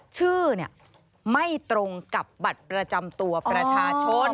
ชื่อไม่ตรงกับบัตรประจำตัวประชาชน